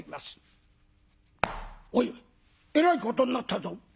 「おいえらいことになったぞ」。